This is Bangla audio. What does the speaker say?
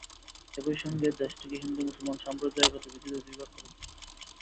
একই সঙ্গে দেশটিকে হিন্দু-মুসলমান সাম্প্রদায়িকতার ভিত্তিতে দুই ভাগ করে দিয়ে যায়।